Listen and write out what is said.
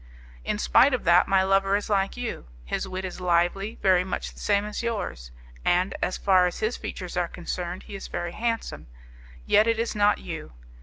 In spite of that, my lover is like you; his wit is lively, very much the same as yours, and, as far as his features are concerned, he is very handsome; yet it is not you.